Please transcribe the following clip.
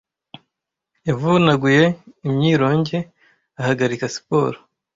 'Yavunaguye imyironge, ahagarika siporo,